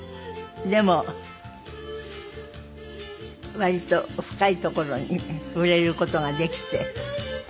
でも割と深いところに触れる事ができて。